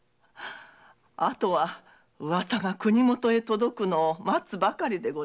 あとは噂が国許へ届くのを待つばかりでございます。